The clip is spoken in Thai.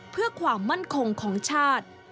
เพื่อความมั่นคงของชาติ